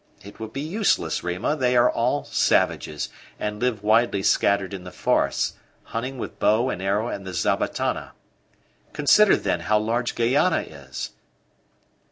It would be useless, Rima; they are all savages, and live widely scattered in the forests, hunting with bow and arrow and the zabatana. Consider, then, how large Guayana is!"